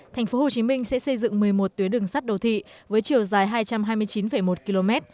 tp hcm sẽ xây dựng một mươi một tuyến đường sắt đô thị với chiều dài hai trăm hai mươi chín một km